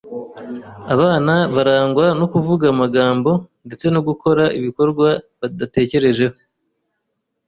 abana barangwa no kuvuga amagambo ndetse no gukora ibikorwa badatekerejeho